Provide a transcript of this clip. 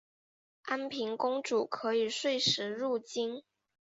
安平公主可以岁时入京。